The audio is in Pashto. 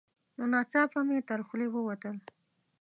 نو ناڅاپه مې تر خولې ووتل: